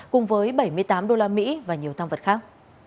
cùng với bảy mươi tám usd và nhiều tham vật khác